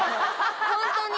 ホントに。